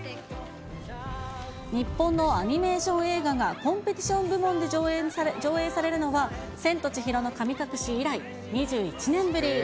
日本のアニメーション映画がコンペティション部門で上映されるのは、千と千尋の神隠し以来、２１年ぶり。